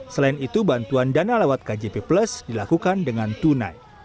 selain itu bantuan dana lewat kjp plus dilakukan dengan tunai